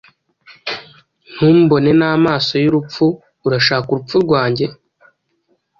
Ntumbone n'amaso y'urupfu! Urashaka urupfu rwanjye,